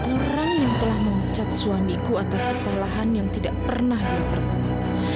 orang yang telah memecat suamiku atas kesalahan yang tidak pernah dia perbu